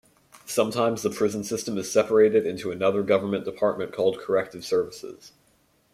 Sometimes the prison system is separated into another government department called Corrective Services.